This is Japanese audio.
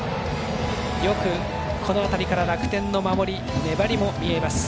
よく、この辺りから楽天の守り粘りも見えます。